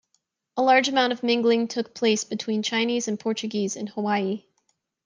A large amount of mingling took place between Chinese and Portuguese in Hawaii.